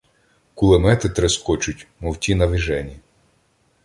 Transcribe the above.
Кулемети терескочуть, Мов ті навіжені.